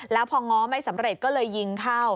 แล้วพอง้อไม่สำเร็จก็เลยยิงเข้า